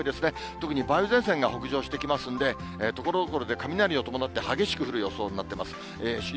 特に梅雨前線が北上してきますんで、ところどころで雷を伴って、激しく降る予想になっています。